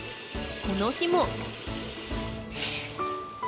この日も。